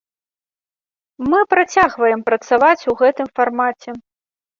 Мы працягваем працаваць у гэтым фармаце.